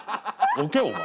置けお前。